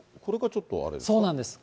そうなんです。